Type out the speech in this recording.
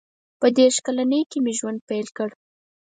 • په دېرش کلنۍ کې مې ژوند پیل کړ.